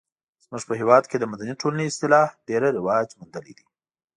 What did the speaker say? زموږ په هېواد کې د مدني ټولنې اصطلاح ډیر رواج موندلی دی.